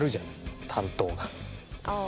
ああ。